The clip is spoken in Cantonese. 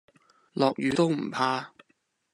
落雨都唔怕